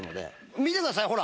見てくださいほら！